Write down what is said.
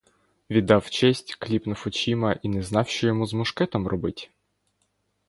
Віддав честь, кліпнув очима і не знав, що йому з мушкетом робить.